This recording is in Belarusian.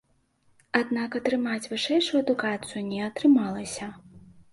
Аднак атрымаць вышэйшую адукацыю не атрымалася.